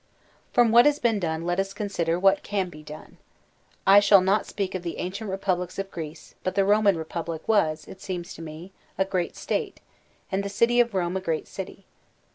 From what has been done let us consider what can be done. I shall not speak of the ancient republics of Greece; but the Roman Republic was, it seems to me, a great State, and the city of Rome a great city.